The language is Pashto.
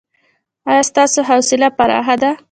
ایا ستاسو حوصله پراخه ده؟